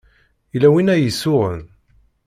Yella win ay isuɣen.